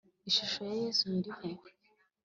Ishusho ya Yesu nyirimpuhwe